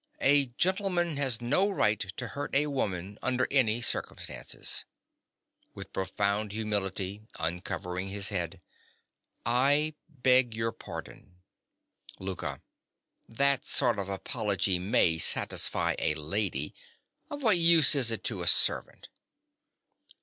_) A gentleman has no right to hurt a woman under any circumstances. (With profound humility, uncovering his head.) I beg your pardon. LOUKA. That sort of apology may satisfy a lady. Of what use is it to a servant?